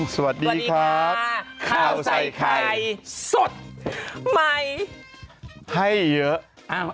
สวัสดีครับข้าวใส่ไข่สดใหม่ให้เยอะ